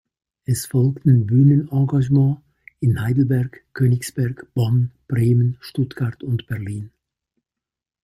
Es folgten Bühnenengagements in Heidelberg, Königsberg, Bonn, Bremen, Stuttgart und Berlin.